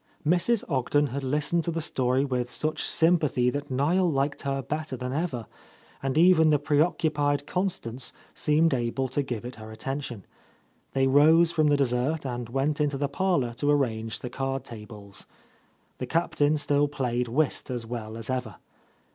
Mrs, Ogden had listened to the story with such sympathy that Niel liked her better than ever, and even the preoccupied Constance seemed able to give it her attention. They rose from the dessert and went into the parlour to arrange the card tables. The Captain still played whist as well as ever.